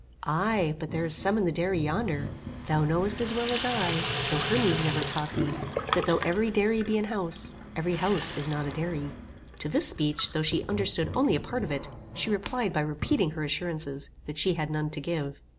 "Aye, but there is some in the dairy yonder. Thou knowest as well as I, though Hermes never taught thee, that though every dairy be an house, every house is not a dairy." To this speech, though she understood only a part of it, she replied by repeating her assurances, that she had none to give.